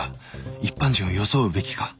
一般人を装うべきか？